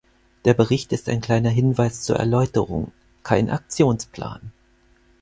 Der Bericht ist ein kleiner Hinweis zur Erläuterung, kein Aktionsplan.